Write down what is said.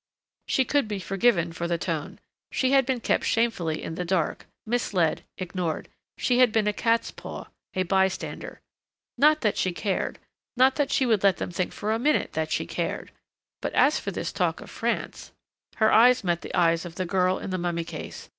She could be forgiven for the tone. She had been kept shamefully in the dark, misled, ignored.... She had been a catspaw, a bystander. Not that she cared. Not that she would let them think for a minute that she cared.... But as for this talk of France Her eyes met the eyes of the girl in the mummy case.